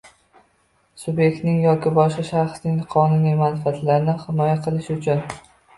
subyektning yoki boshqa shaxsning qonuniy manfaatlarini himoya qilish uchun